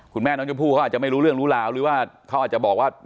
คุณแม่น้องชมพู่เขาอาจจะไม่รู้เรื่องรู้ราวหรือว่าเขาอาจจะบอกว่า